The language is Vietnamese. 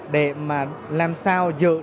để mà làm sao dự được các sản phẩm này